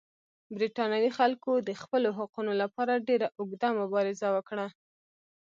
برېټانوي خلکو د خپلو حقونو لپاره ډېره اوږده مبارزه وکړه.